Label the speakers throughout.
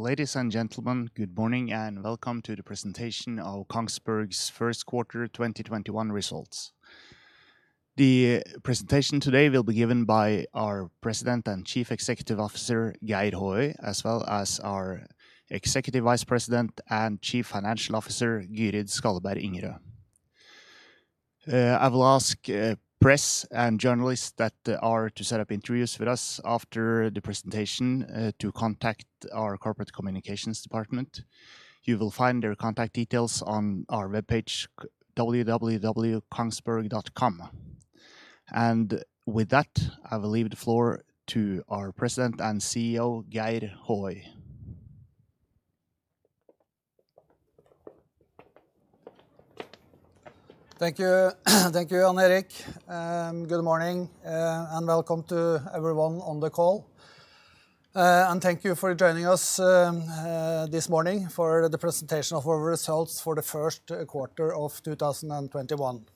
Speaker 1: Ladies and gentlemen, good morning and welcome to the presentation of Kongsberg's first quarter 2021 results. The presentation today will be given by our President and Chief Executive Officer, Geir Håøy, as well as our Executive Vice President and Chief Financial Officer, Gyrid Skalleberg Ingerø. I will ask press and journalists that are to set up interviews with us after the presentation to contact our corporate communications department. You will find their contact details on our webpage, www.kongsberg.com. With that, I will leave the floor to our President and CEO, Geir Håøy.
Speaker 2: Thank you, Jan-Erik Hoff. Good morning, welcome to everyone on the call. Thank you for joining us this morning for the presentation of our results for the first quarter of 2021.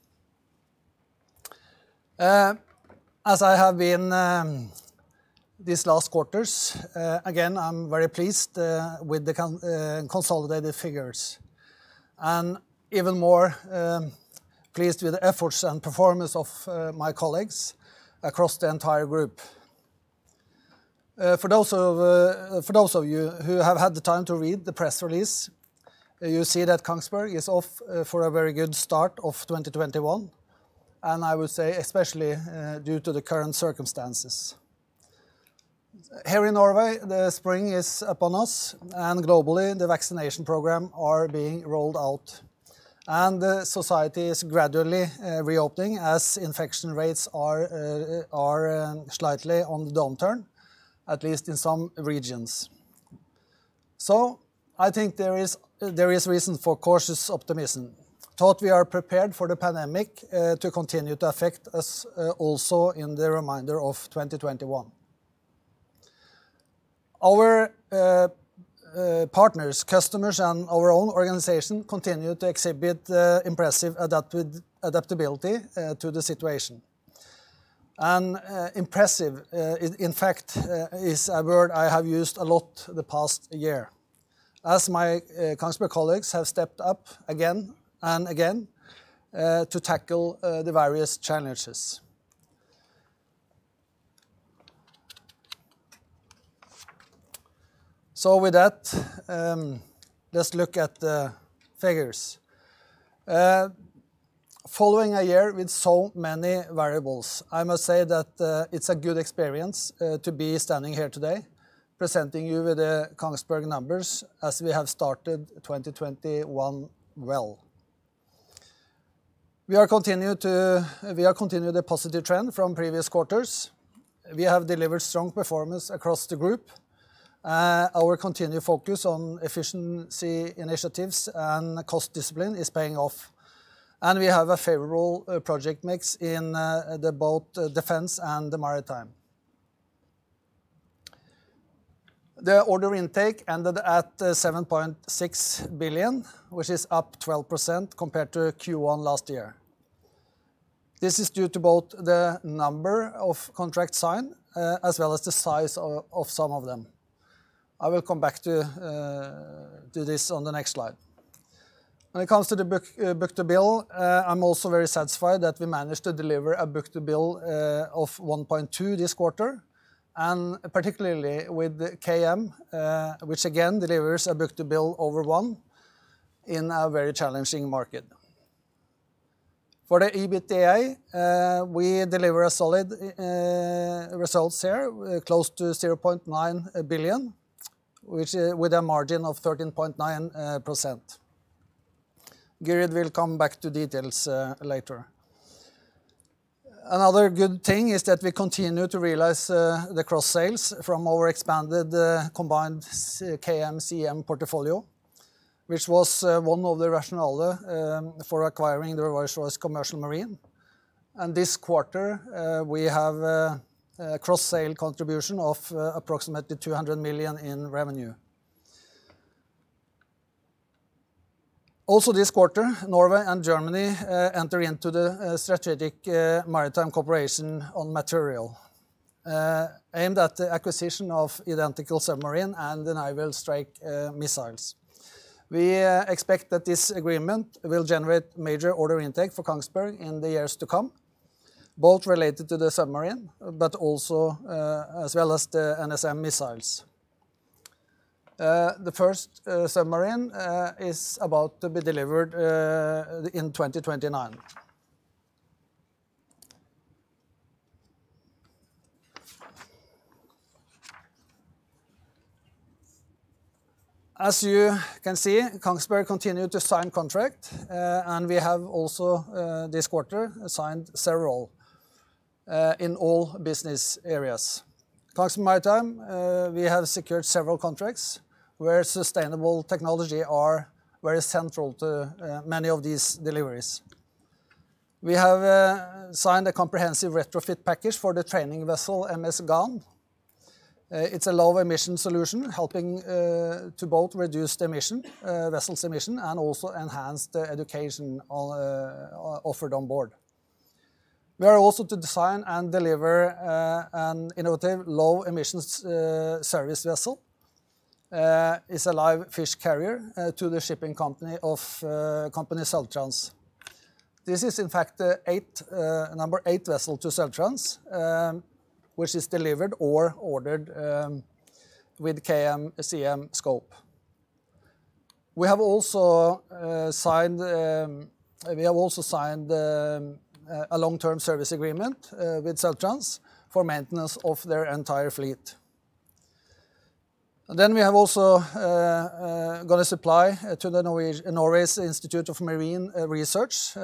Speaker 2: As I have been these last quarters, again, I'm very pleased with the consolidated figures, and even more pleased with the efforts and performance of my colleagues across the entire group. For those of you who have had the time to read the press release, you see that Kongsberg Gruppen is off for a very good start of 2021, and I would say especially due to the current circumstances. Here in Norway, the spring is upon us, globally, the vaccination program are being rolled out. Society is gradually reopening as infection rates are slightly on the downturn, at least in some regions. I think there is reason for cautious optimism, though we are prepared for the pandemic to continue to affect us also in the remainder of 2021. Our partners, customers, and our own organization continue to exhibit impressive adaptability to the situation. Impressive, in fact, is a word I have used a lot the past year. As my Kongsberg Gruppen colleagues have stepped up again and again to tackle the various challenges. With that, let's look at the figures. Following a year with so many variables, I must say that it's a good experience to be standing here today presenting you with the Kongsberg Gruppen numbers as we have started 2021 well. We are continuing the positive trend from previous quarters. We have delivered strong performance across the group. Our continued focus on efficiency initiatives and cost discipline is paying off, and we have a favorable project mix in both Defence and the Maritime. The order intake ended at 7.6 billion, which is up 12% compared to Q1 last year. This is due to both the number of contracts signed, as well as the size of some of them. I will come back to this on the next slide. When it comes to the book-to-bill, I'm also very satisfied that we managed to deliver a book-to-bill of 1.2 this quarter, and particularly with KM AS, which again delivers a book-to-bill over one in a very challenging market. For the EBITDA, we deliver a solid results here, close to 0.9 billion, with a margin of 13.9%. Gyrid will come back to details later. Another good thing is that we continue to realize the cross-sales from our expanded combined KM/CM portfolio, which was one of the rationale for acquiring the Rolls-Royce Commercial Marine. This quarter, we have a cross-sale contribution of approximately 200 million in revenue. Also this quarter, Norway and Germany enter into the strategic maritime cooperation on material, aimed at the acquisition of identical submarine and Naval Strike Missiles. We expect that this agreement will generate major order intake for Kongsberg in the years to come, both related to the submarine, but also as well as the NSM missiles. The first submarine is about to be delivered in 2029. As you can see, Kongsberg Gruppen continued to sign contract, and we have also this quarter signed several in all business areas. Kongsberg Maritime, we have secured several contracts where sustainable technology are very central to many of these deliveries. We have signed a comprehensive retrofit package for the training vessel MS Gann. It's a low-emission solution, helping to both reduce the vessel's emission and also enhance the education offered on board. We are also to design and deliver an innovative low-emissions service vessel. It's a live fish carrier to the shipping company of company Sølvtrans. This is in fact the number eight vessel to Sølvtrans, which is delivered or ordered with KM/CM scope. We have also signed a long-term service agreement with Sølvtrans for maintenance of their entire fleet. We have also got a supply to the Norway's Institute of Marine Research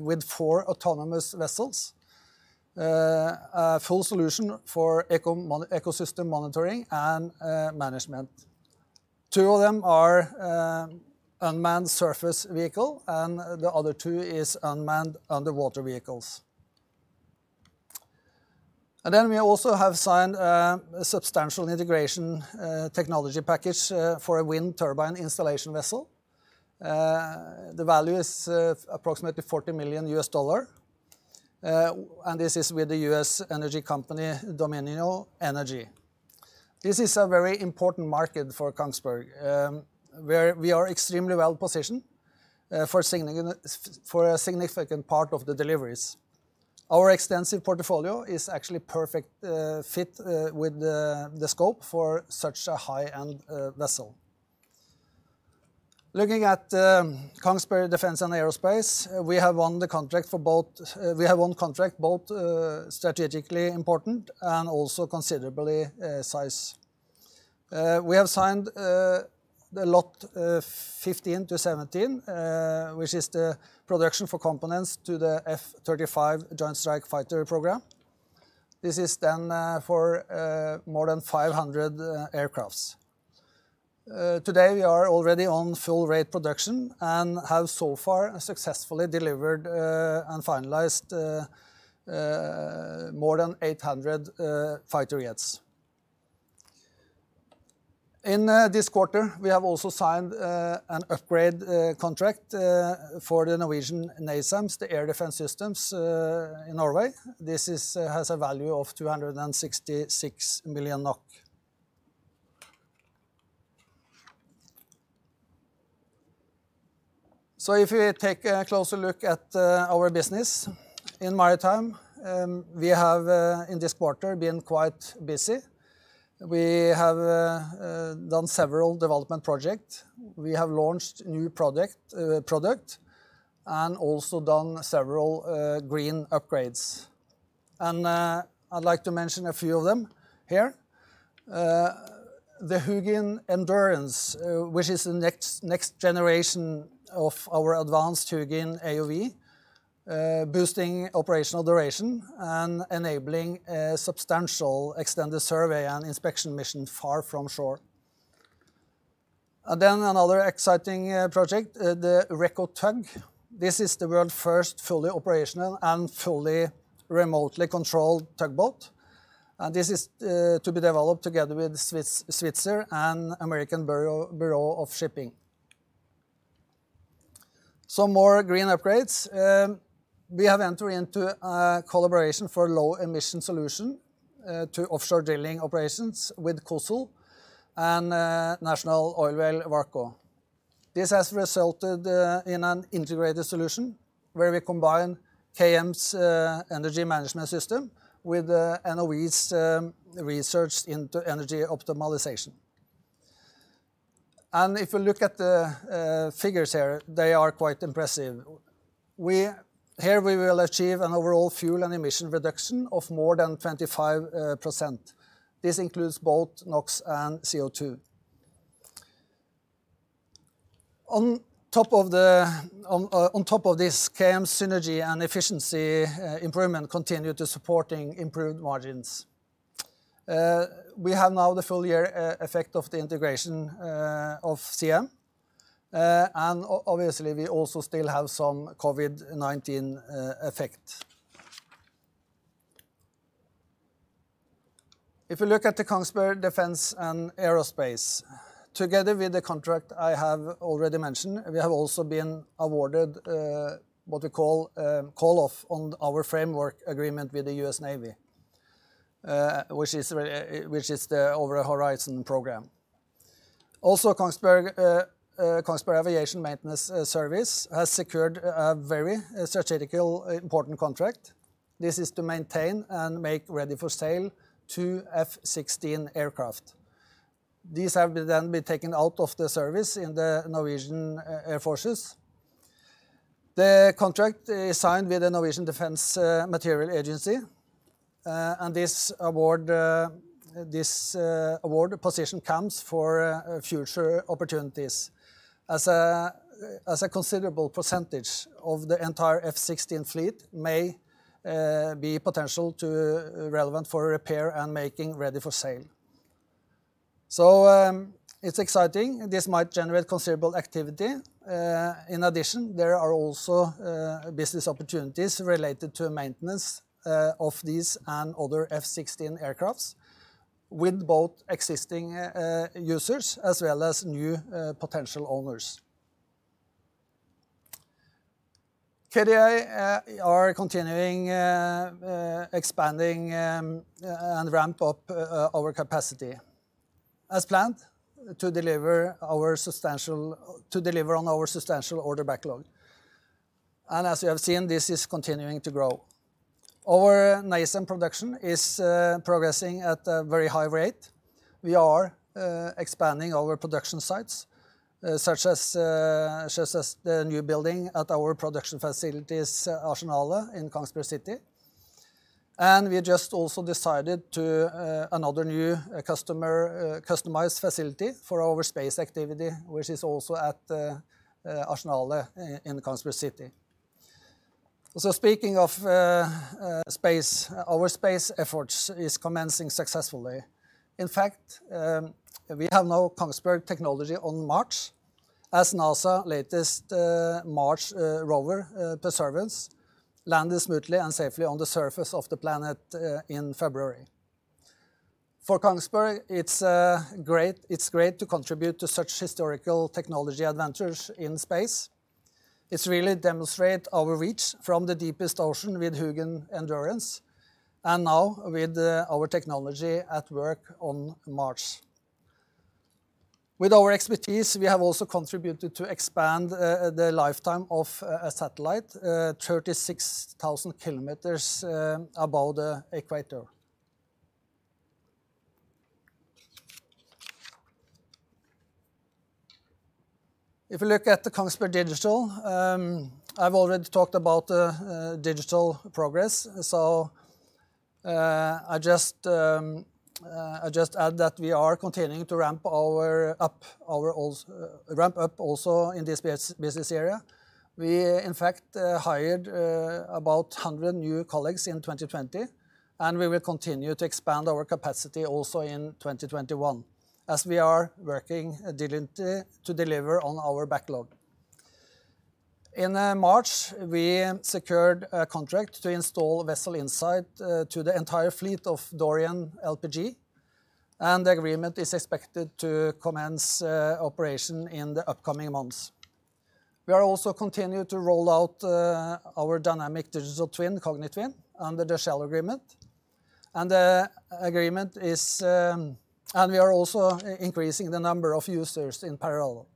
Speaker 2: with four autonomous vessels, a full solution for ecosystem monitoring and management. Two of them are unmanned surface vehicle, and the other two is unmanned underwater vehicles. We also have signed a substantial integration technology package for a wind turbine installation vessel. The value is approximately $40 million, and this is with the U.S. energy company, Dominion Energy. This is a very important market for Kongsberg Gruppen, where we are extremely well-positioned for a significant part of the deliveries. Our extensive portfolio is actually perfect fit with the scope for such a high-end vessel. Looking at Kongsberg Defence & Aerospace, we have won contract both strategically important and also considerable size. We have signed the lot 15-17, which is the production for components to the F-35 Lightning II Joint Strike Fighter program. This is then for more than 500 aircrafts. Today, we are already on full-rate production and have so far successfully delivered and finalized more than 800 fighter jets. In this quarter, we have also signed an upgrade contract for the Norwegian NASAMS, the air defense systems in Norway. This has a value of 266 million NOK. If you take a closer look at our business in Maritime, we have, in this quarter, been quite busy. We have done several development project. We have launched new product, and also done several green upgrades. I'd like to mention a few of them here. The HUGIN Endurance, which is the next generation of our advanced HUGIN AUV, boosting operational duration and enabling substantial extended survey and inspection mission far from shore. Another exciting project, the RECOTUG. This is the world's first fully operational and fully remotely controlled tugboat. This is to be developed together with Svitzer and American Bureau of Shipping. Some more green upgrades. We have entered into a collaboration for low-emission solution to offshore drilling operations with COSL and National Oilwell Varco. This has resulted in an integrated solution where we combine KM's energy management system with NOV's research into energy optimization. If you look at the figures here, they are quite impressive. Here, we will achieve an overall fuel and emission reduction of more than 25%. This includes both NOx and CO2. On top of this, KM synergy and efficiency improvement continue to supporting improved margins. We have now the full year effect of the integration of CM. Obviously, we also still have some COVID-19 effect. If you look at the Kongsberg Defence & Aerospace, together with the contract I have already mentioned, we have also been awarded what we call call-off on our framework agreement with the U.S. Navy, which is the Over-the-Horizon program. Also, Kongsberg Aviation Maintenance Services has secured a very strategically important contract. This is to maintain and make ready for sale two F-16 aircraft. These have then been taken out of the service in the Royal Norwegian Air Force. The contract is signed with the Norwegian Defence Materiel Agency. This award position comes for future opportunities as a considerable percentage of the entire F-16 fleet may be potential to relevant for repair and making ready for sale. It's exciting. This might generate considerable activity. In addition, there are also business opportunities related to maintenance of these and other F-16 aircrafts with both existing users as well as new potential owners. KDA are continuing expanding and ramp up our capacity as planned to deliver on our substantial order backlog. As you have seen, this is continuing to grow. Our NASAMS production is progressing at a very high rate. We are expanding our production sites, such as the new building at our production facilities, Arsenalet, in Kongsberg City. We just also decided to another new customized facility for our space activity, which is also at the Arsenalet in Kongsberg City. Speaking of space, our space efforts is commencing successfully. In fact, we have now Kongsberg technology on Mars as NASA latest Mars rover, Perseverance, landed smoothly and safely on the surface of the planet in February. For Kongsberg Gruppen, it's great to contribute to such historical technology adventures in space. It really demonstrate our reach from the deepest ocean with HUGIN Endurance, and now with our technology at work on Mars. With our expertise, we have also contributed to expand the lifetime of a satellite 36,000 km above the equator. If you look at the Kongsberg Digital, I've already talked about the digital progress. I just add that we are continuing to ramp up also in this business area. We, in fact, hired about 100 new colleagues in 2020. We will continue to expand our capacity also in 2021, as we are working diligently to deliver on our backlog. In March, we secured a contract to install Vessel Insight to the entire fleet of Dorian LPG. The agreement is expected to commence operation in the upcoming months. We are also continued to roll out our dynamic digital twin, Kognitwin, under the Shell agreement. We are also increasing the number of users in parallel.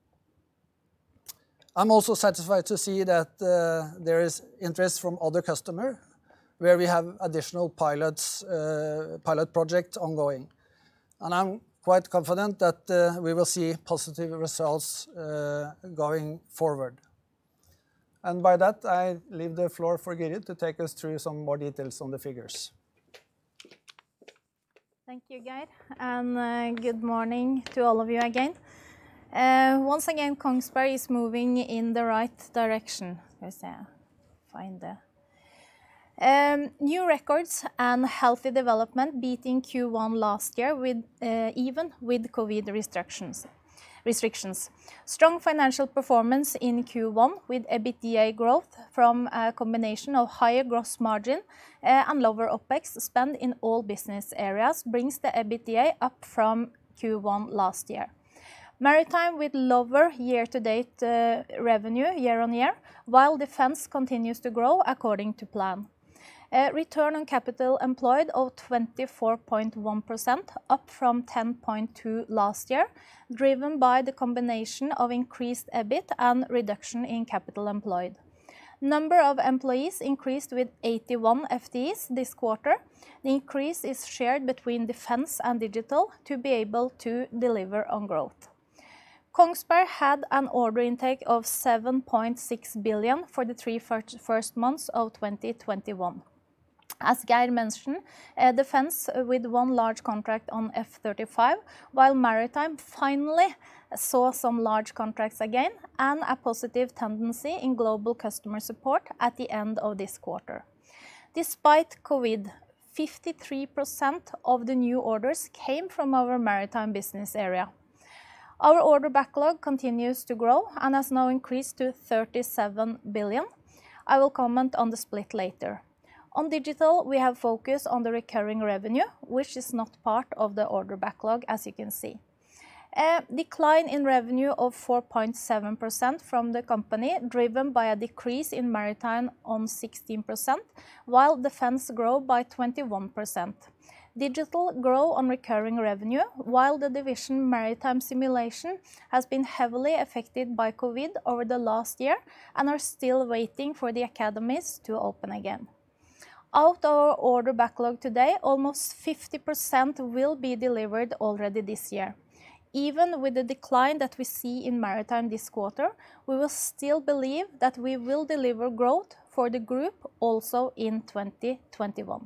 Speaker 2: I'm also satisfied to see that there is interest from other customer where we have additional pilot project ongoing and I'm quite confident that we will see positive results going forward. By that, I leave the floor for Gyrid to take us through some more details on the figures.
Speaker 3: Thank you, Geir Håøy, and good morning to all of you again. Once again, Kongsberg Gruppen is moving in the right direction. Let's see. New records and healthy development beating Q1 last year even with COVID restrictions. Strong financial performance in Q1 with EBITDA growth from a combination of higher gross margin and lower OpEx spend in all business areas brings the EBITDA up from Q1 last year. Maritime with lower year-to-date revenue year on year, while Defense continues to grow according to plan. Return on capital employed of 24.1% up from 10.2% last year, driven by the combination of increased EBIT and reduction in capital employed. Number of employees increased with 81 FTEs this quarter. The increase is shared between Defense and Digital to be able to deliver on growth. Kongsberg Gruppen had an order intake of 7.6 billion for the three first months of 2021. As Geir Håøy mentioned, defense with one large contract on F-35, while Maritime finally saw some large contracts again and a positive tendency in Global Customer Support at the end of this quarter. Despite COVID, 53% of the new orders came from our maritime business area. Our order backlog continues to grow and has now increased to 37 billion. I will comment on the split later. On digital, we have focused on the recurring revenue, which is not part of the order backlog as you can see. Decline in revenue of 4.7% from the company driven by a decrease in maritime on 16%, while Defense grow by 21%. Digital grow on recurring revenue while the division maritime simulation has been heavily affected by COVID over the last year and are still waiting for the academies to open again. Out of our order backlog today, almost 50% will be delivered already this year. Even with the decline that we see in maritime this quarter, we will still believe that we will deliver growth for the group also in 2021.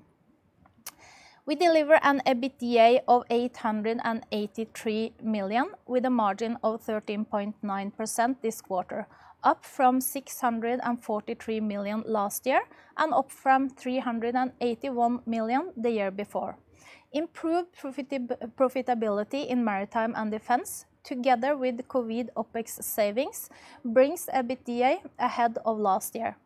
Speaker 3: We deliver an EBITDA of 883 million with a margin of 13.9% this quarter, up from 643 million last year and up from 381 million the year before. Improved profitability in Maritime and Defense together with COVID OpEx savings brings EBITDA ahead of last year.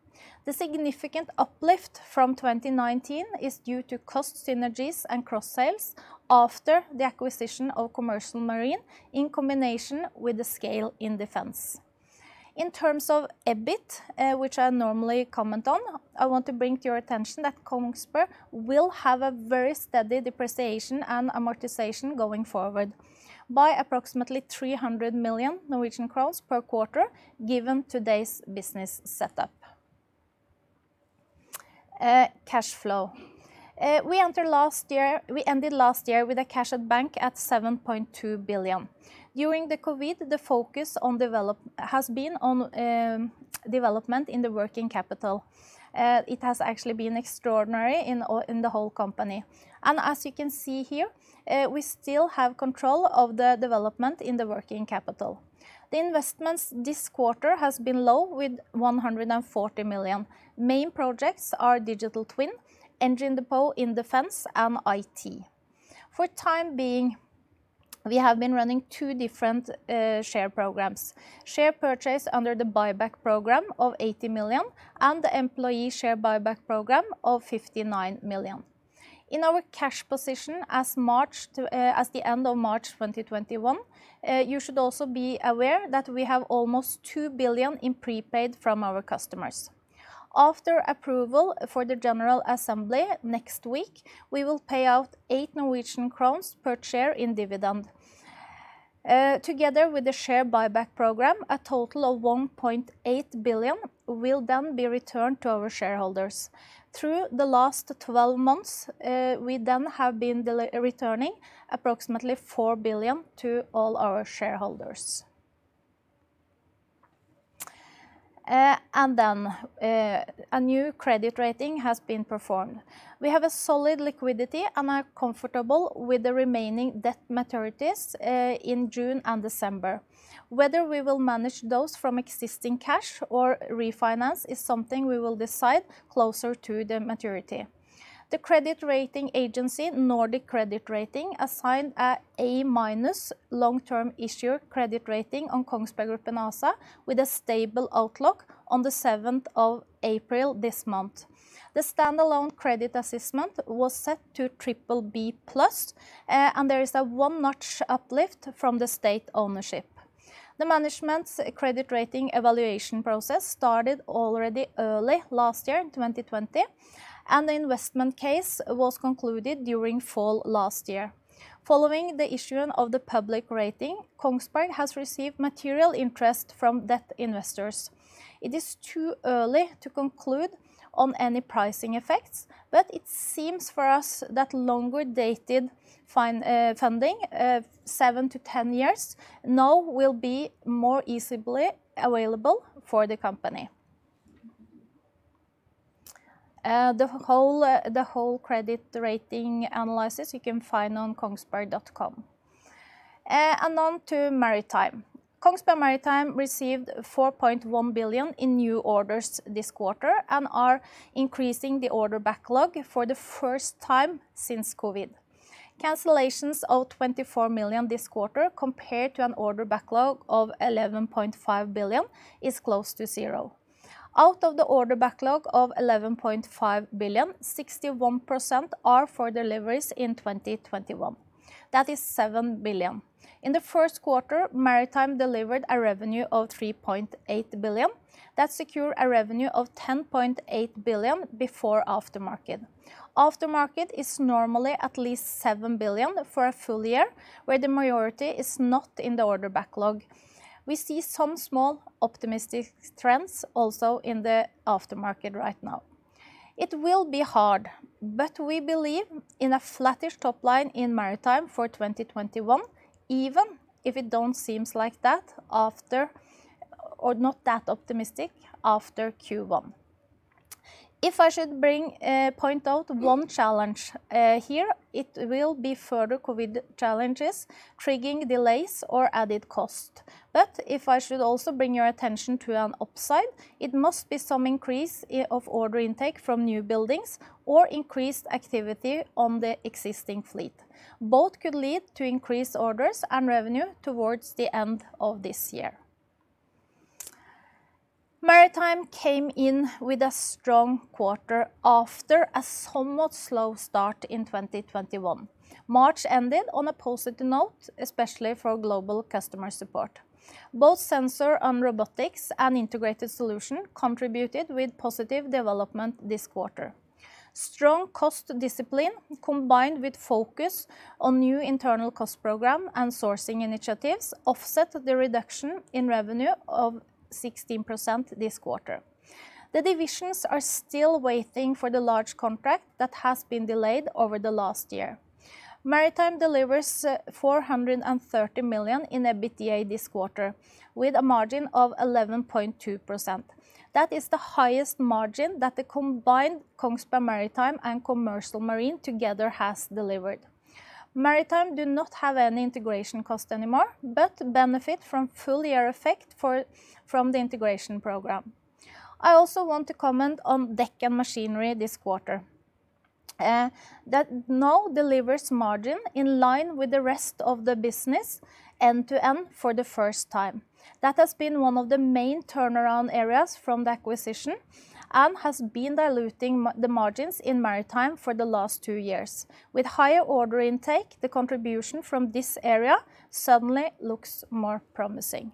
Speaker 3: The significant uplift from 2019 is due to cost synergies and cross sales after the acquisition of Rolls-Royce Commercial Marine in combination with the scale in Defense. In terms of EBIT, which I normally comment on, I want to bring to your attention that Kongsberg Gruppen will have a very steady depreciation and amortization going forward by approximately 300 million Norwegian crowns per quarter, given today's business setup. Cash flow. We ended last year with a cash at bank at 7.2 billion. During the COVID, the focus has been on development in the working capital. It has actually been extraordinary in the whole company. As you can see here, we still have control of the development in the working capital. The investments this quarter have been low with 140 million. Main projects are digital twin, engine depot in Defence, and IT. For the time being, we have been running two different share programs. Share purchase under the buyback program of 80 million and the employee share buyback program of 59 million. In our cash position as the end of March 2021, you should also be aware that we have almost 2 billion in prepaid from our customers. After approval for the general assembly next week, we will pay out 8 Norwegian crowns per share in dividend. Together with the share buyback program, a total of 1.8 billion will be returned to our shareholders. Through the last 12 months, we have been returning approximately 4 billion to all our shareholders. A new credit rating has been performed. We have a solid liquidity and are comfortable with the remaining debt maturities in June and December. Whether we will manage those from existing cash or refinance is something we will decide closer to the maturity. The credit rating agency, Nordic Credit Rating, assigned an A- long-term issuer credit rating on Kongsberg Gruppen ASA with a stable outlook on the 7th of April this month. The standalone credit assessment was set to BBB+, there is a one-notch uplift from the state ownership. The management's credit rating evaluation process started already early last year in 2020, and the investment case was concluded during fall last year. Following the issuing of the public rating, Kongsberg Gruppen has received material interest from debt investors. It is too early to conclude on any pricing effects, but it seems for us that longer-dated funding, 7-10 years, now will be more easily available for the company. The whole credit rating analysis you can find on kongsberg.com. On to Maritime. Kongsberg Maritime received 4.1 billion in new orders this quarter and are increasing the order backlog for the first time since COVID. Cancellations of 24 million this quarter compared to an order backlog of 11.5 billion is close to zero. Out of the order backlog of 11.5 billion, 61% are for deliveries in 2021. That is 7 billion. In the first quarter, Kongsberg Maritime delivered a revenue of 3.8 billion. That secure a revenue of 10.8 billion before aftermarket. Aftermarket is normally at least 7 billion for a full year, where the majority is not in the order backlog. We see some small optimistic trends also in the aftermarket right now. It will be hard, but we believe in a flattish top line in Kongsberg Maritime for 2021, even if it don't seem like that after, or not that optimistic after Q1. If I should point out one challenge here, it will be further COVID challenges triggering delays or added cost. If I should also bring your attention to an upside, it must be some increase of order intake from new buildings or increased activity on the existing fleet. Both could lead to increased orders and revenue towards the end of this year. Maritime came in with a strong quarter after a somewhat slow start in 2021. March ended on a positive note, especially for Global Customer Support. Both Sensors and Robotics and Integrated Solutions contributed with positive development this quarter. Strong cost discipline combined with focus on new internal cost program and sourcing initiatives offset the reduction in revenue of 16% this quarter. The divisions are still waiting for the large contract that has been delayed over the last year. Kongsberg Maritime delivers 430 million in EBITDA this quarter with a margin of 11.2%. That is the highest margin that the combined Kongsberg Maritime and Commercial Marine together has delivered. Kongsberg Maritime do not have any integration cost anymore but benefit from full year effect from the integration program. I also want to comment on Deck Machinery this quarter. That now delivers margin in line with the rest of the business end-to-end for the first time. That has been one of the main turnaround areas from the acquisition and has been diluting the margins in Maritime for the last two years. With higher order intake, the contribution from this area suddenly looks more promising.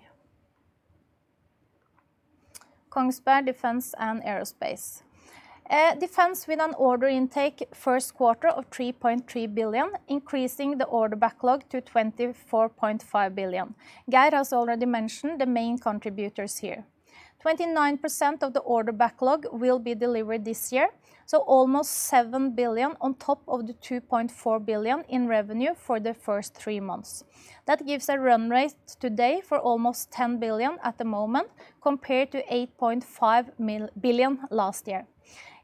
Speaker 3: Kongsberg Defence & Aerospace. Defence with an order intake first quarter of 3.3 billion, increasing the order backlog to 24.5 billion. Geir Håøy has already mentioned the main contributors here. 29% of the order backlog will be delivered this year, so almost 7 billion on top of the 2.4 billion in revenue for the first three months. That gives a run rate today for almost 10 billion at the moment compared to 8.5 billion last year.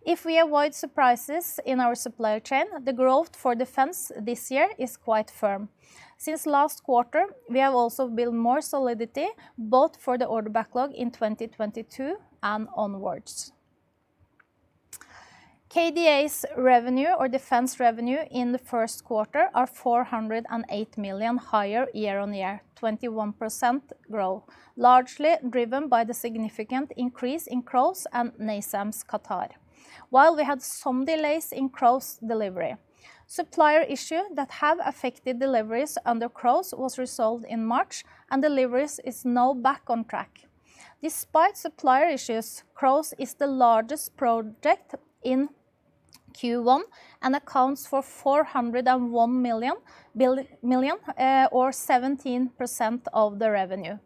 Speaker 3: If we avoid surprises in our supply chain, the growth for Defence this year is quite firm. Since last quarter, we have also built more solidity both for the order backlog in 2022 and onwards. KDA's revenue or Defense revenue in the first quarter are 408 million higher year-on-year, 21% growth, largely driven by the significant increase in CROWS and NASAMS Qatar. While we had some delays in CROWS delivery, supplier issue that have affected deliveries under CROWS was resolved in March and deliveries is now back on track. Despite supplier issues, CROWS is the largest project in Q1 and accounts for 401 million or 17% of the revenue.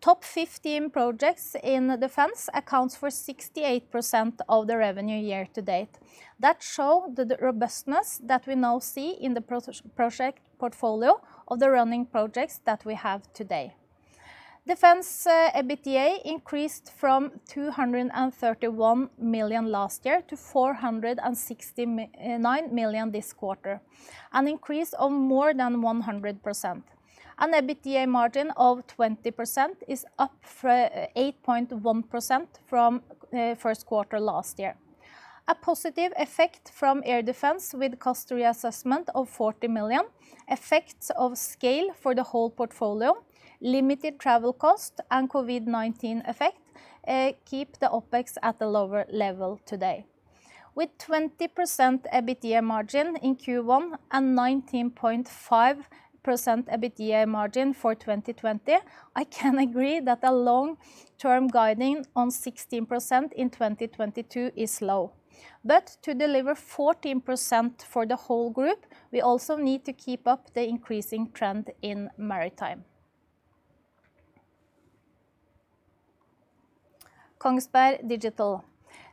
Speaker 3: Top 15 projects in Defense accounts for 68% of the revenue year to date. That show the robustness that we now see in the project portfolio of the running projects that we have today. Defense EBITDA increased from 231 million last year to 469 million this quarter. An increase of more than 100%. An EBITDA margin of 20% is up 8.1% from first quarter last year. A positive effect from Air Defense with cost reassessment of 40 million, effects of scale for the whole portfolio, limited travel cost and COVID-19 effect, keep the OpEx at the lower level today. With 20% EBITDA margin in Q1 and 19.5% EBITDA margin for 2020, I can agree that a long-term guiding on 16% in 2022 is low. To deliver 14% for the whole group, we also need to keep up the increasing trend in Maritime. Kongsberg Digital.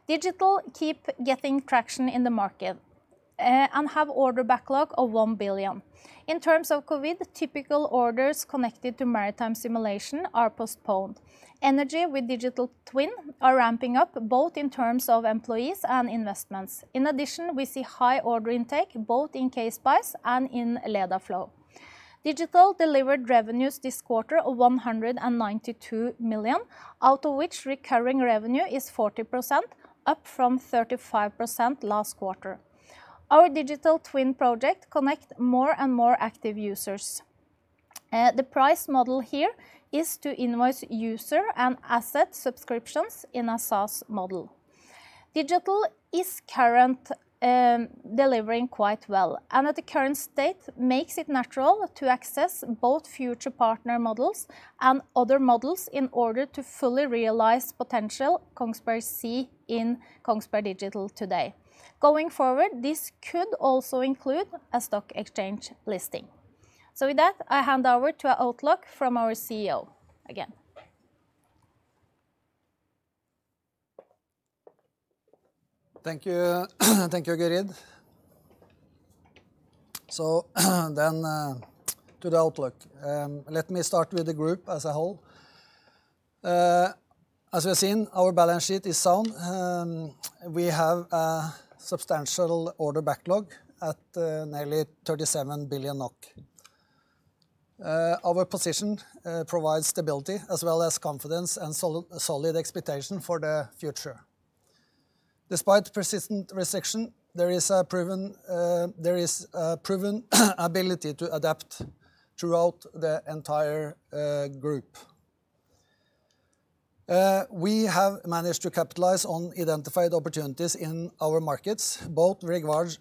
Speaker 3: Digital keep getting traction in the market, and have order backlog of 1 billion. In terms of COVID-19, typical orders connected to maritime simulation are postponed. Energy with digital twin are ramping up both in terms of employees and investments. In addition, we see high order intake both in K-Spice and in LedaFlow. Digital delivered revenues this quarter of 192 million, out of which recurring revenue is 40%, up from 35% last quarter. Our digital twin project connect more and more active users. The price model here is to invoice user and asset subscriptions in a SaaS model. Digital is current delivering quite well, and at the current state makes it natural to access both future partner models and other models in order to fully realize potential Kongsberg Gruppen see in Kongsberg Digital today. Going forward, this could also include a stock exchange listing. With that, I hand over to our outlook from our CEO again.
Speaker 2: Thank you, Gyrid. Then to the outlook. Let me start with the group as a whole. As we have seen, our balance sheet is sound. We have a substantial order backlog at nearly 37 billion NOK. Our position provides stability as well as confidence and solid expectation for the future. Despite persistent recession, there is a proven ability to adapt throughout the entire group. We have managed to capitalize on identified opportunities in our markets, both regards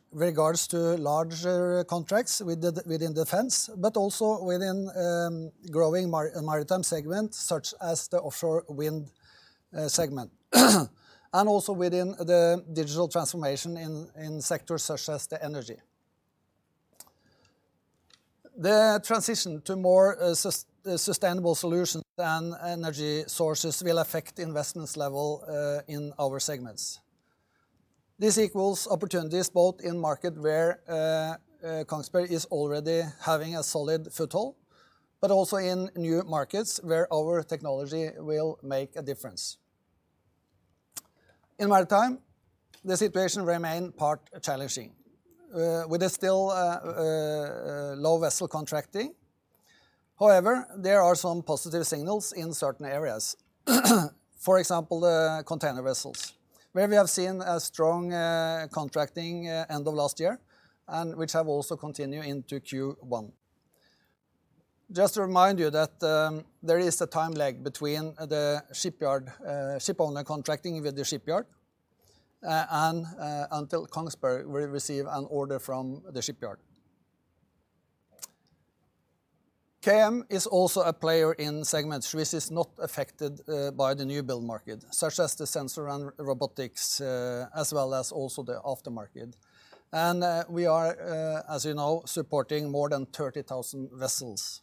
Speaker 2: to larger contracts within defense, but also within growing maritime segment, such as the offshore wind segment. Also within the digital transformation in sectors such as the energy. The transition to more sustainable solutions and energy sources will affect investments level in our segments. This equals opportunities both in market where Kongsberg is already having a solid foothold, but also in new markets where our technology will make a difference. In Maritime, the situation remain part challenging, with a still low vessel contracting. However, there are some positive signals in certain areas. For example, the container vessels, where we have seen a strong contracting end of last year, and which have also continued into Q1. Just to remind you that there is a time lag between the ship owner contracting with the shipyard and until Kongsberg Gruppen will receive an order from the shipyard. KM is also a player in segments which is not affected by the new build market, such as the Sensors and Robotics, as well as also the aftermarket. We are, as you know, supporting more than 30,000 vessels.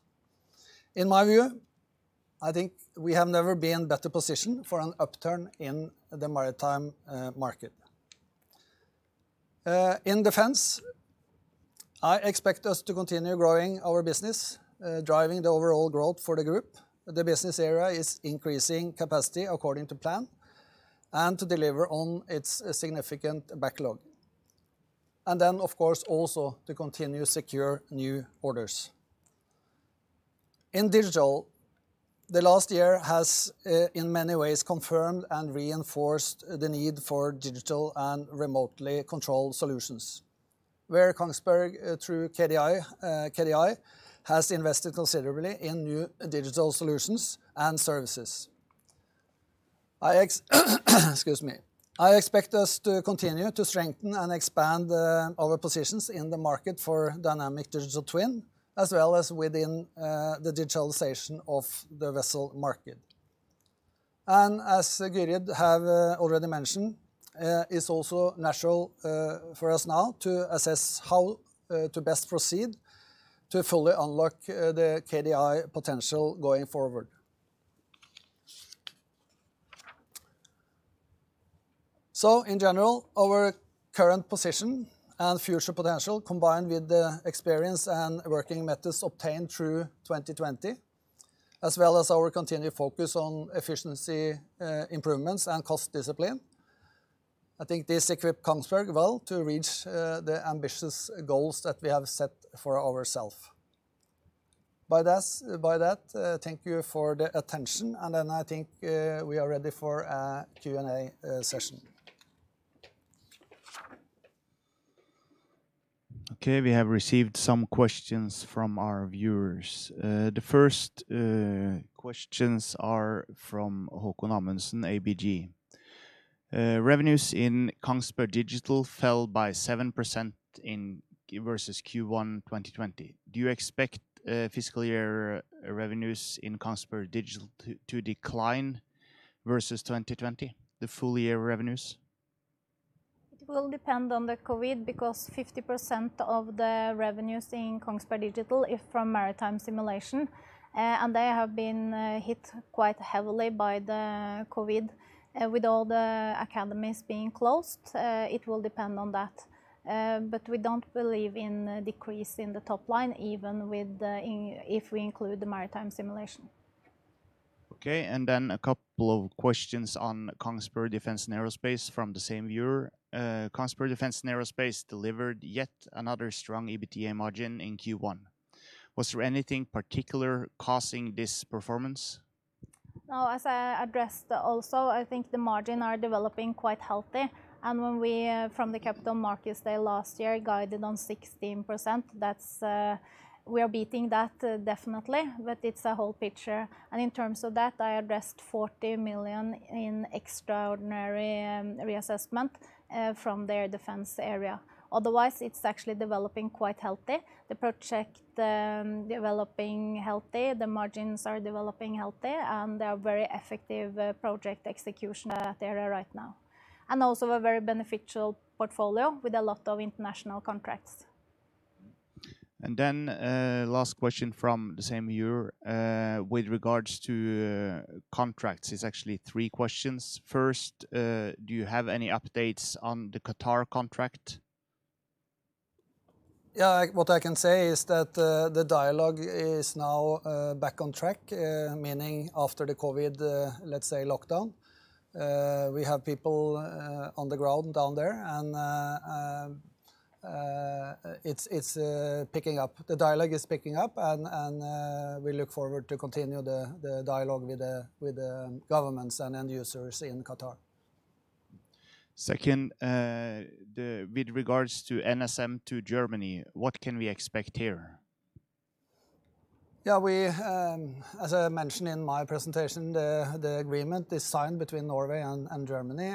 Speaker 2: In my view, I think we have never been better positioned for an upturn in the maritime market. In defense, I expect us to continue growing our business, driving the overall growth for the group. The business area is increasing capacity according to plan and to deliver on its significant backlog. Of course, also to continue to secure new orders. In digital, the last year has in many ways confirmed and reinforced the need for digital and remotely controlled solutions, where Kongsberg Gruppen, through KDI, has invested considerably in new digital solutions and services. Excuse me. I expect us to continue to strengthen and expand our positions in the market for dynamic digital twin, as well as within the digitalization of the vessel market. As Gyrid have already mentioned, it's also natural for us now to assess how to best proceed to fully unlock the KDI potential going forward. In general, our current position and future potential, combined with the experience and working methods obtained through 2020, as well as our continued focus on efficiency improvements and cost discipline, I think this equips Kongsberg well to reach the ambitious goals that we have set for ourselves. By that, thank you for the attention. I think we are ready for a Q&A session.
Speaker 1: Okay, we have received some questions from our viewers. The first questions are from Haakon Amundsen, ABG. Revenues in Kongsberg Digital fell by 7% versus Q1 2020. Do you expect fiscal year revenues in Kongsberg Digital to decline versus 2020? The full year revenues?
Speaker 3: It will depend on the COVID, because 50% of the revenues in Kongsberg Digital is from maritime simulation, and they have been hit quite heavily by the COVID. With all the academies being closed, it will depend on that. We don't believe in a decrease in the top line, even if we include the maritime simulation.
Speaker 1: Okay, a couple of questions on Kongsberg Defence & Aerospace from the same viewer. Kongsberg Defence & Aerospace delivered yet another strong EBITDA margin in Q1. Was there anything particular causing this performance?
Speaker 3: As I addressed also, I think the margin are developing quite healthy. When we, from the capital markets day last year, guided on 16%, we are beating that definitely, but it's a whole picture. In terms of that, I addressed 40 million in extraordinary reassessment from their Defence area. Otherwise, it's actually developing quite healthy. The project developing healthy, the margins are developing healthy, and they are very effective project execution area right now. Also a very beneficial portfolio with a lot of international contracts.
Speaker 1: Last question from the same viewer. With regards to contracts, it is actually three questions. First, do you have any updates on the Qatar contract?
Speaker 2: What I can say is that the dialogue is now back on track, meaning after the COVID, let's say, lockdown. We have people on the ground down there, and it's picking up. The dialogue is picking up, and we look forward to continue the dialogue with the governments and end users in Qatar.
Speaker 1: Second, with regards to NSM to Germany, what can we expect here?
Speaker 2: As I mentioned in my presentation, the agreement is signed between Norway and Germany.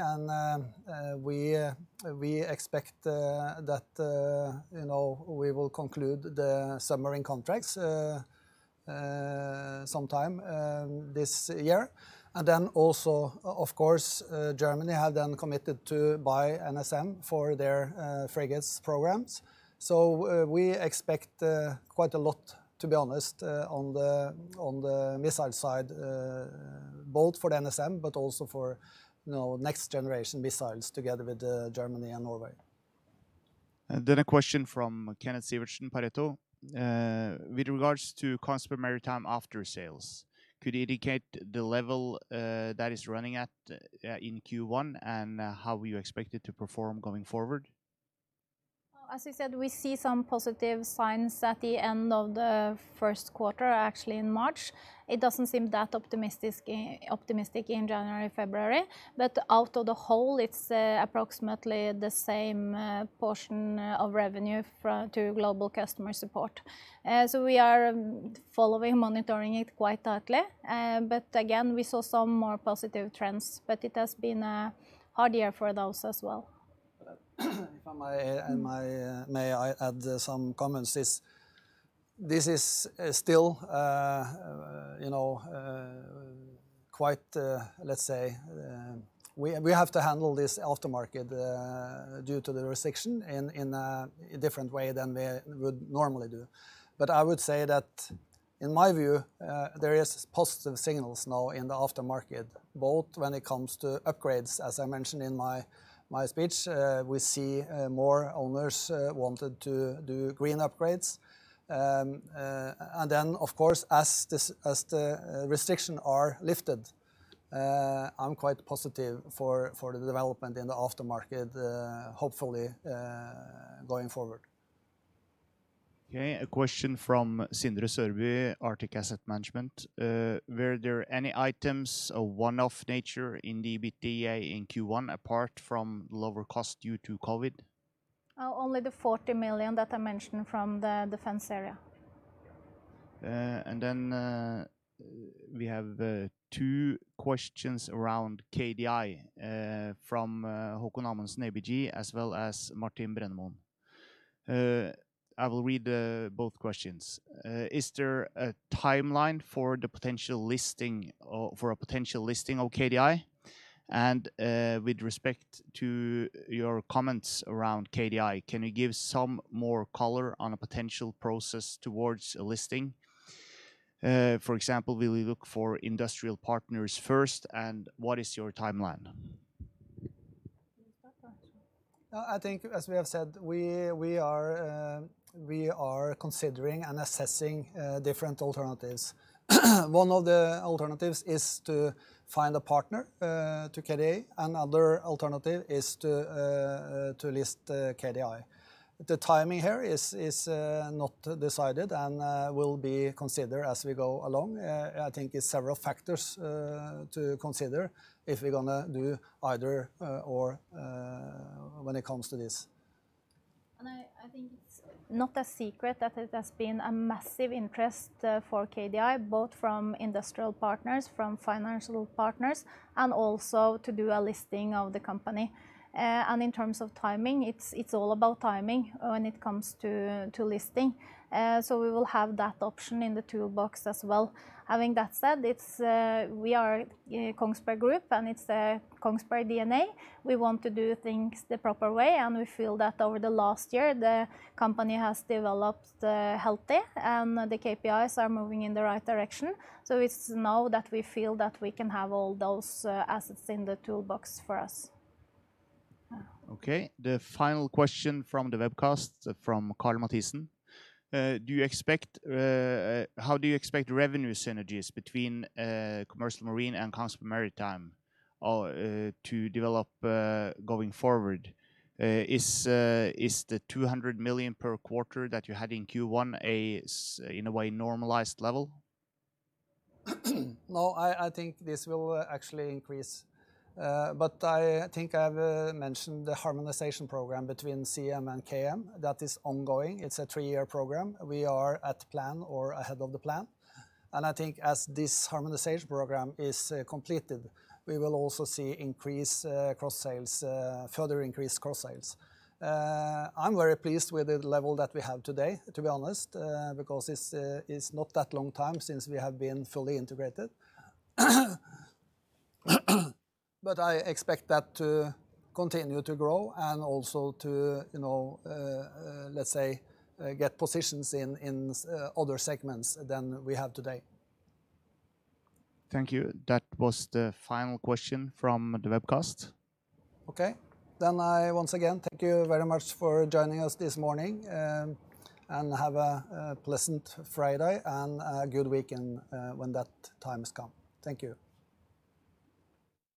Speaker 2: We expect that we will conclude the submarine contracts sometime this year. Of course, Germany have then committed to buy NSM for their frigates programs. We expect quite a lot, to be honest, on the missile side, both for the NSM but also for next generation missiles together with Germany and Norway.
Speaker 1: A question from Kenneth Sivertsen, Pareto. With regards to Kongsberg Maritime aftersales, could you indicate the level that it's running at in Q1, and how you expect it to perform going forward?
Speaker 3: As I said, we see some positive signs at the end of the first quarter, actually in March. It doesn't seem that optimistic in January, February, but out of the whole, it's approximately the same portion of revenue to Global Customer Support. We are following, monitoring it quite tightly. Again, we saw some more positive trends, but it has been a hard year for those as well.
Speaker 2: If I may add some comments is this is still quite, let's say, we have to handle this aftermarket due to the restriction in a different way than we would normally do. I would say that in my view, there is positive signals now in the aftermarket, both when it comes to upgrades, as I mentioned in my speech. We see more owners wanted to do green upgrades. Of course, as the restriction are lifted, I'm quite positive for the development in the aftermarket, hopefully, going forward.
Speaker 1: Okay, a question from Sindre Sørbye, Arctic Asset Management. Were there any items of one-off nature in the EBITDA in Q1 apart from lower cost due to COVID?
Speaker 3: Only the $40 million that I mentioned from the defense area.
Speaker 1: We have two questions around KDI from Haakon Amundsen, ABG, as well as Martin Brennemoen. I will read both questions. Is there a timeline for a potential listing of KDI? With respect to your comments around KDI, can you give some more color on a potential process towards a listing? For example, will you look for industrial partners first, and what is your timeline?
Speaker 3: You start that.
Speaker 2: I think as we have said, we are considering and assessing different alternatives. One of the alternatives is to find a partner to KDI and other alternative is to list KDI. The timing here is not decided and will be considered as we go along. I think it's several factors to consider if we're going to do either or when it comes to this.
Speaker 3: I think it's not a secret that it has been a massive interest for KDI, both from industrial partners, from financial partners, and also to do a listing of the company. In terms of timing, it's all about timing when it comes to listing. We will have that option in the toolbox as well. Having that said, we are Kongsberg Gruppen, and it's a Kongsberg DNA. We want to do things the proper way, and we feel that over the last year, the company has developed healthy and the KPIs are moving in the right direction. It's now that we feel that we can have all those assets in the toolbox for us.
Speaker 1: Okay, the final question from the webcast from Carl Matthiessen. How do you expect revenue synergies between Commercial Marine and Kongsberg Maritime to develop going forward? Is the 200 million per quarter that you had in Q1 in a way normalized level?
Speaker 2: No, I think this will actually increase. I think I've mentioned the harmonization program between CM and KM that is ongoing. It's a three-year program. We are at plan or ahead of the plan. I think as this harmonization program is completed, we will also see further increased cross-sales. I'm very pleased with the level that we have today, to be honest, because it's not that long time since we have been fully integrated. I expect that to continue to grow and also to, let's say, get positions in other segments than we have today.
Speaker 1: Thank you. That was the final question from the webcast.
Speaker 2: Okay. I once again, thank you very much for joining us this morning, and have a pleasant Friday and a good weekend when that time has come. Thank you.